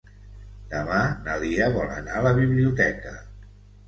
Demà na Lia vol anar a la biblioteca.